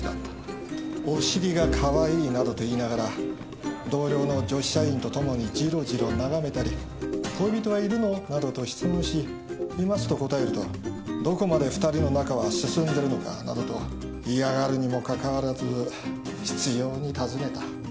「お尻がかわいい」などと言いながら同僚の女子社員とともにじろじろ眺めたり「恋人はいるの？」などと質問し「います」と答えると「どこまで二人の仲は進んでるのか」などと嫌がるにもかかわらず執ように尋ねた。